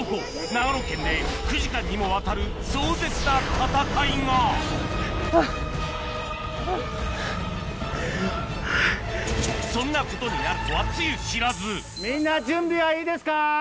長野県で９時間にもわたる壮絶な戦いがそんなことになるとはつゆ知らずみんな準備はいいですか？